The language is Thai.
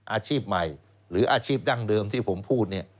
อาชีพใหม่หรืออาชีพดั้งเดิมที่ผมพูดเนี่ย